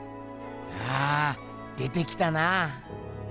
ああ出てきたなぁ。